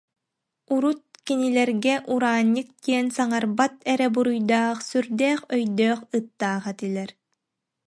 Урут кинилэргэ Ураан- ньык диэн саҥарбат эрэ буруйдаах, сүрдээх өйдөөх ыттаах этилэр